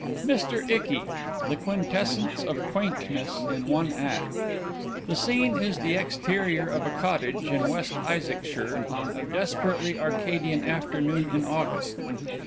MR. ICKY THE QUINTESSENCE OF QUAINTNESS IN ONE ACT _The Scene is the Exterior of a Cottage in West Issacshire on a desperately Arcadian afternoon in August.